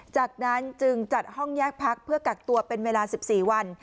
จากนั้นจึงจัดห้องแยกพักเพื่อกักตัวเป็นเวลา๑๔วัน